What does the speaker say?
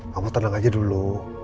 kamu tenang aja dulu